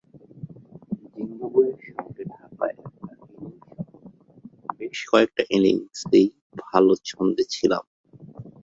জিম্বাবুয়ের সঙ্গে ঢাকায় একটা ইনিংসসহ বেশ কয়েকটা ইনিংসেই ভালো ছন্দে ছিলাম।